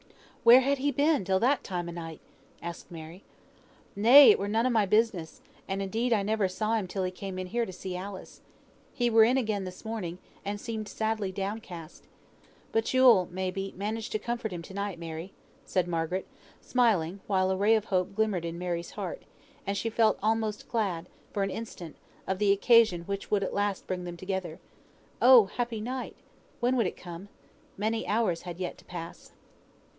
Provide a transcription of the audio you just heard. "Where had he been till that time o' night?" asked Mary. "Nay! it were none of my business; and, indeed, I never saw him till he came in here to see Alice. He were in again this morning, and seemed sadly downcast. But you'll, may be, manage to comfort him to night, Mary," said Margaret, smiling, while a ray of hope glimmered in Mary's heart, and she almost felt glad, for an instant, of the occasion which would at last bring them together. Oh! happy night! when would it come? Many hours had yet to pass.